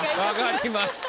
分かりました。